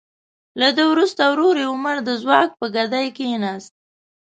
له ده وروسته ورور یې عمر د ځواک په ګدۍ کیناست.